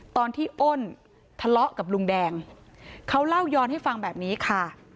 ตอนที่อ้นทะเลาะกับลุงแดงเขาเล่าย้อนให้ฟังแบบนี้ค่ะ